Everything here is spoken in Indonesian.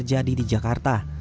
terjadi di jakarta